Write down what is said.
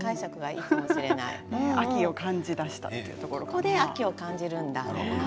ここで秋を感じるんだ。